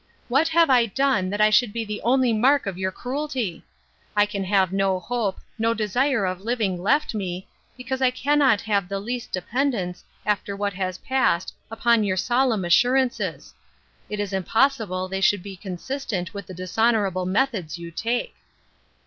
What have I done, that I should be the only mark of your cruelty? I can have no hope, no desire of living left me, because I cannot have the least dependence, after what has passed, upon your solemn assurances.—It is impossible they should be consistent with the dishonourable methods you take.